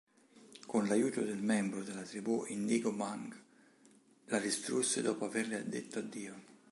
Con l'aiuto del membro della Tribù Indigo Munk, la distrusse dopo averle detto addio.